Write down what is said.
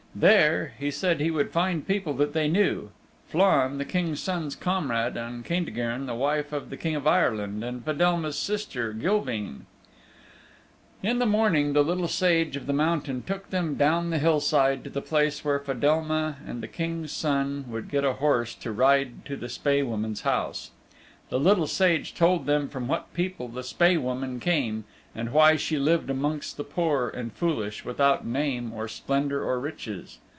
There, he said he would find people that they knew Flann, the King's Son's comrade, and Caintigern, the wife of the King of Ireland, and Fedelma's sister, Gilveen. In the morning the Little Sage of the Mountain took them down the hillside to the place where Fedelma and the King's Son would get a horse to ride to the Spae Woman's house. The Little Sage told them from what people the Spae Woman came and why she lived amongst the poor and foolish without name or splendor or riches.